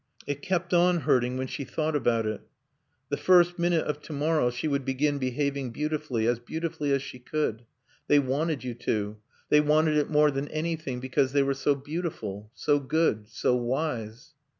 It kept on hurting when she thought about it. The first minute of to morrow she would begin behaving beautifully; as beautifully as she could. They wanted you to; they wanted it more than anything because they were so beautiful. So good. So wise.